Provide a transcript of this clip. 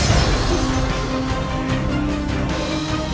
saya akan sampai kemana mana